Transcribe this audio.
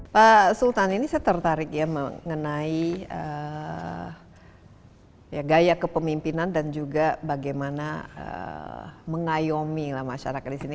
pak sultan ini saya tertarik ya mengenai gaya kepemimpinan dan juga bagaimana mengayomi lah masyarakat di sini